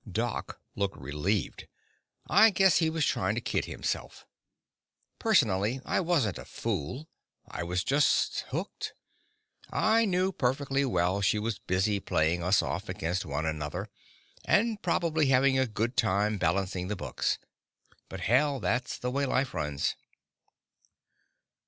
Doc looked relieved. I guessed he was trying to kid himself. Personally, I wasn't a fool I was just hooked; I knew perfectly well she was busy playing us off against one another, and probably having a good time balancing the books. But hell, that's the way life runs.